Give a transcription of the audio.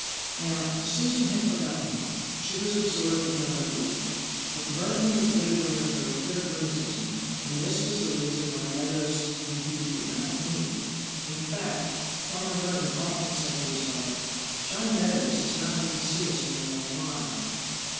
Now, Susan had forgotten him; she was absorbed in her own grief; but Merton was laboring under a fit of rheumatism, and this was the reason why Meadows and he did not meet. In fact, farmer Merton often said to his daughter, "John Meadows has not been to see us a long while."